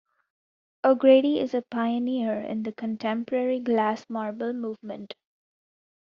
O'Grady is a pioneer in the contemporary glass marble movement.